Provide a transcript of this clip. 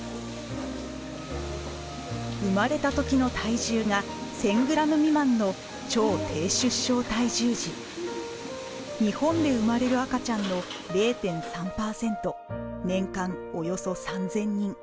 生まれたときの体重が１０００グラム未満の日本で生まれる赤ちゃんの０．３パーセント年間およそ３０００人。